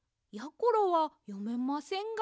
ころはよめませんが。